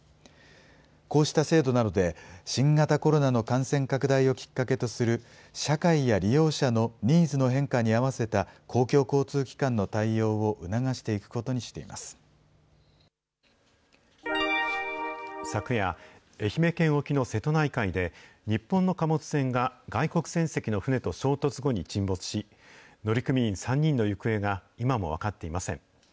こうした制度などで、新型コロナの感染拡大をきっかけとする、社会や利用者のニーズの変化に合わせた公共交通機関の対応を促し昨夜、愛媛県沖の瀬戸内海で、日本の貨物船が外国船籍の船と衝突後に沈没し、乗組員３人の行方が今も分かっていません。